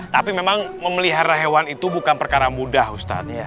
tapi memang memelihara hewan itu bukan perkara mudah ustadz